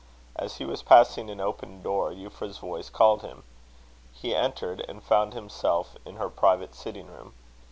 As he was passing an open door, Euphra's voice called him. He entered, and found himself in her private sitting room.